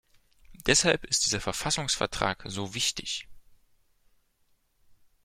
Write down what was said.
Deshalb ist dieser Verfassungsvertrag so wichtig!